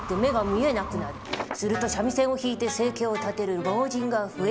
すると三味線を弾いて生計を立てる盲人が増える。